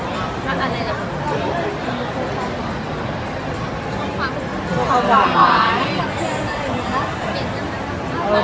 ช่องความหล่อของพี่ต้องการอันนี้นะครับ